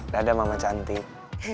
dadah mama cantik